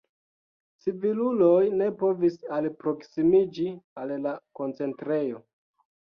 Civiluloj ne povis alproksimiĝi al la koncentrejo.